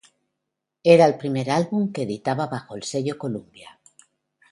Era el primer álbum que editaba bajo el sello Columbia.